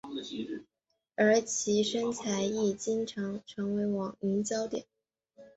而其身材亦经常成为网民焦点。